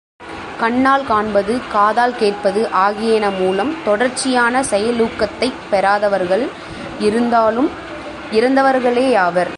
கண்ணால் காண்பது, காதால் கேட்பது ஆகியன மூலம் தொடர்ச்சியான செயலூக்கத்தைப் பெறாதவர்கள் இருந்தாலும் இறந்தவர்களேயாவர்.